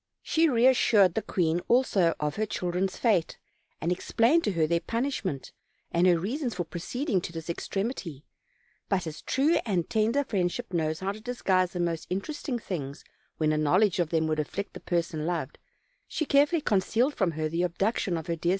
She reassured the queen also of her children's fate, and explained to her their punishment, and her reasons for proceeding to this extremity; but as true and tender friendship knows how to disguise the most interesting things when a knowledge of them would afflict the person loved, she carefully concealed from her the abduction of her dear 360 OLD, OLD FAIRY TALES.